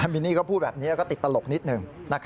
มินนี่ก็พูดแบบนี้แล้วก็ติดตลกนิดหนึ่ง